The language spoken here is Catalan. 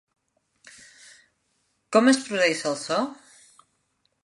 Com es produeix el so?